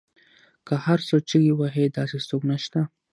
که هر څو چیغې وهي داسې څوک نشته